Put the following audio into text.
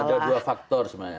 ada dua faktor sebenarnya